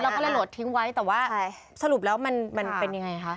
ก็เลยโหลดทิ้งไว้แต่ว่าสรุปแล้วมันเป็นยังไงคะ